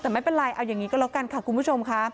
แต่ไม่เป็นไรเอาอย่างนี้ก็แล้วกันค่ะคุณผู้ชมค่ะ